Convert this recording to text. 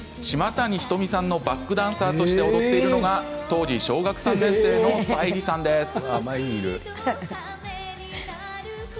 島谷ひとみさんのバックダンサーとして踊っているのが当時、小学３年生の沙莉さんです。